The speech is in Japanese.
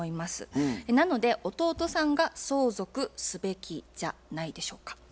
なので弟さんが相続すべきじゃないでしょうか。